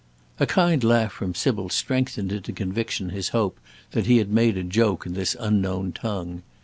A kind laugh from Sybil strengthened into conviction his hope that he had made a joke in this unknown tongue.